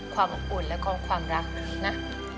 ความอุ่นและความรักนะ